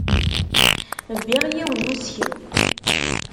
Bbiɣ yiwen n useklu.